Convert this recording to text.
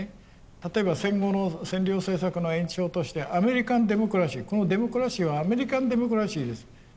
例えば戦後の占領政策の延長としてアメリカンデモクラシーこのデモクラシーはアメリカンデモクラシーです。